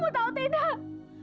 kamu tahu tidak